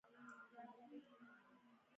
هر څه چي کېدل بي معنی او بېځایه وه.